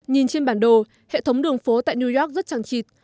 nhìn trên bản đồ hệ thống đường phố tại new york rất chẳng chịt